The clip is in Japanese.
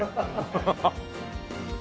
ハハハハ！